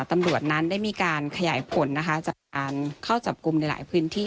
ตำรวจนั้นได้มีการขยายผลนะคะจากการเข้าจับกลุ่มในหลายพื้นที่